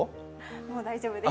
もう大丈夫です。